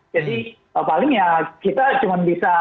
jadi paling ya kita cuma bisa